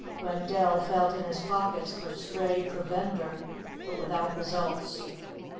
Wendell felt in his pockets for stray provender, but without results.